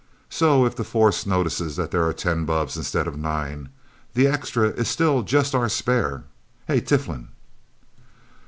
So if the Force notices that there are ten bubbs instead of nine, the extra is still just our spare... Hey Tiflin!"